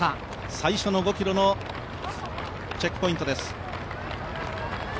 最初の５ｋｍのチェックポイントです